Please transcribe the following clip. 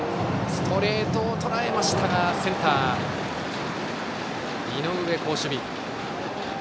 ストレートをとらえましたがセンター、井上の好守備。